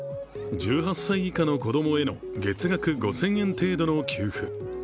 １８歳以下の子供への月額５０００円程度の給付。